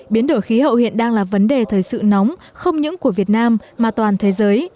biến đổi khí hậu hiện đang là vấn đề thời sự nóng không những của việt nam mà toàn thế giới